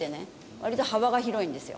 割と幅が広いんですよ。